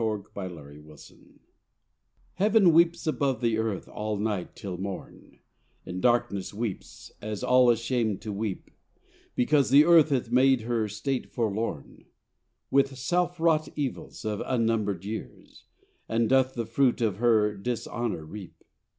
XII =The Tears of Heaven= Heaven weeps above the earth all night till morn, In darkness weeps, as all ashamed to weep, Because the earth hath made her state forlorn With selfwrought evils of unnumbered years, And doth the fruit of her dishonour reap.